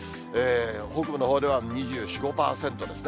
北部のほうでは２４、５％ですね。